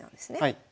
はい。